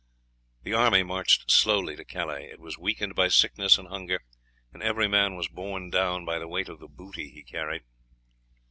The army marched slowly to Calais. It was weakened by sickness and hunger, and every man was borne down by the weight of the booty he carried.